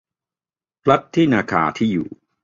พลัดที่นาคาที่อยู่